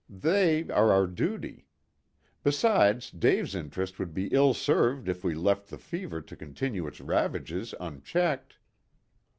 They are our duty. Besides, Dave's interests would be ill served if we left the fever to continue its ravages unchecked."